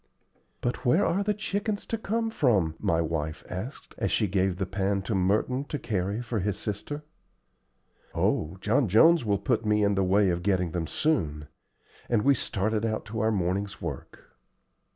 "But where are the chickens to come from?" my wife asked, as she gave the pan to Merton to carry for his sister. "Oh, John Jones will put me in the way of getting them soon;" and we started out to our morning's work.